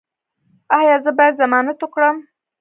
ایا زه باید ضمانت وکړم؟